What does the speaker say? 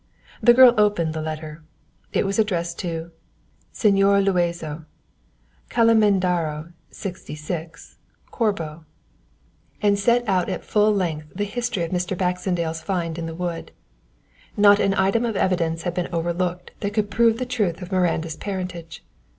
The girl opened the letter. It was addressed to SEÑOR LUAZO, Calle Mendaro, 66, Corbo, and set out at full length the history of Mr. Baxendale's find in the wood. Not an item of evidence had been overlooked that could prove the truth of Miranda's parentage.